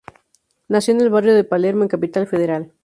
Nació en el barrio de Palermo en Capital federal.